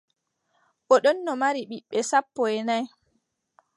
O ɗonno mari ɓiɓɓe sappo e nay.